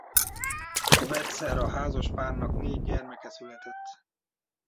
A Vetsera házaspárnak négy gyermeke született.